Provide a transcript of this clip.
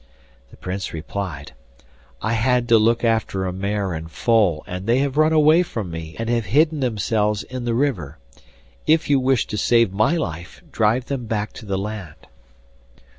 The Prince replied: 'I had to look after a mare and foal, and they have run away from me and have hidden themselves in the river; if you wish to save my life drive them back to the land.